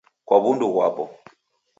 Kwa wundu ghwapo